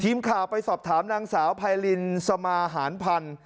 ทีมข่าวไปสอบถามนางสาวไพรินสมาหารพันธ์